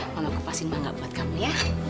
mama kupasin manga buat kamu ya